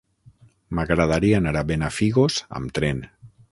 M'agradaria anar a Benafigos amb tren.